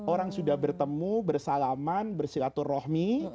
orang sudah bertemu bersalaman bersilatur rohmi